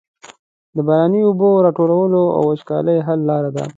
د باراني اوبو راټولول د وچکالۍ حل لاره ده.